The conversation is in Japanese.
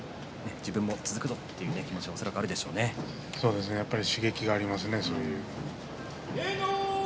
自分も続くぞという気持ちが刺激があるわけですよね。